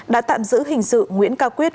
đã tạm giữ hình sự nguyễn cao quyết